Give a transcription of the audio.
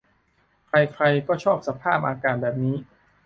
ใครใครก็ชอบสภาพอากาศแบบนี้